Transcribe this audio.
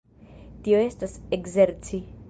Tio estas ekzerci.